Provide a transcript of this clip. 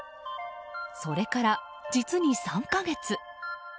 それから実に３か月。